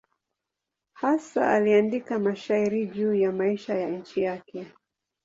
Hasa aliandika mashairi juu ya maisha ya nchi yake.